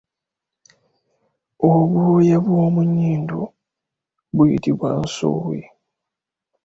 Obwoya bw’omunnyindo buyitibwa Nsowe.